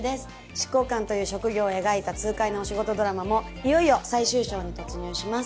執行官という職業を描いた痛快なお仕事ドラマもいよいよ最終章に突入します。